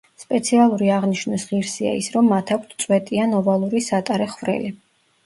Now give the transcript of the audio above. სპეციალური აღნიშვნის ღირსია ის, რომ მათ აქვთ წვეტიან-ოვალური სატარე ხვრელი.